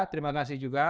terima kasih juga